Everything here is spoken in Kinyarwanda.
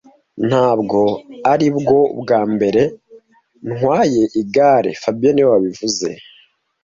Ntabwo aribwo bwa mbere ntwaye igare fabien niwe wabivuze